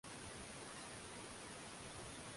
redio zinakaribisha watunzi na waimbaji wa mashairi